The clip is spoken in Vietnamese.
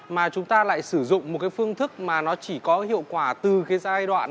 mà chúng ta lại sử dụng một cái phương thức mà nó chỉ có hiệu quả từ cái giai đoạn